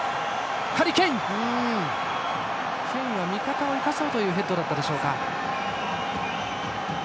ケインは味方を生かそうというヘッドだったでしょうか。